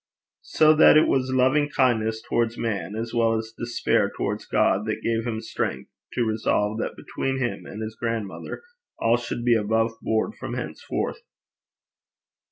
So that it was loving kindness towards man, as well as despair towards God, that gave him strength to resolve that between him and his grandmother all should be above board from henceforth.